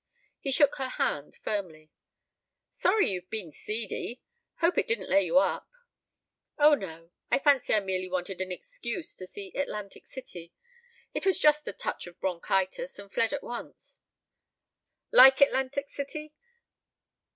He shook her hand firmly. "Sorry you've been seedy. Hope it didn't lay you up." "Oh, no. I fancy I merely wanted an excuse to see Atlantic City. It was just a touch of bronchitis and fled at once." "Like Atlantic City?"